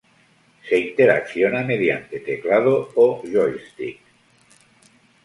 Se interacciona mediante teclado o joystick.